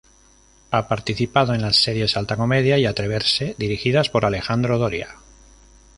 Ha participado en las series "Alta Comedia" y "Atreverse", dirigidas por Alejandro Doria.